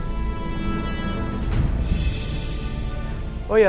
pakai kamu diam aja